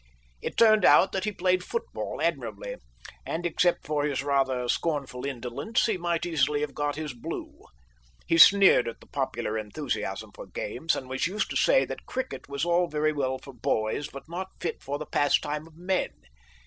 It turned out that he played football admirably, and except for his rather scornful indolence he might easily have got his blue. He sneered at the popular enthusiasm for games, and was used to say that cricket was all very well for boys but not fit for the pastime of men.